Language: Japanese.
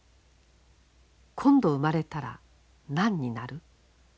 「今度生まれたら何になる？」。